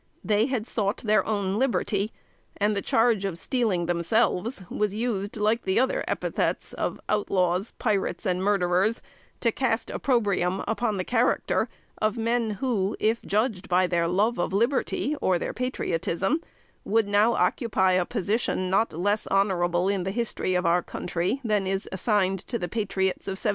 They had sought their own liberty, and the charge of stealing themselves, was used like the other epithets of "outlaws," "pirates" and "murderers," to cast opprobrium upon the character of men who, if judged by their love of liberty or their patriotism, would now occupy a position not less honorable in the history of our country than is assigned to the patriots of 1776.